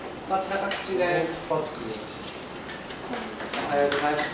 ☎おはようございます。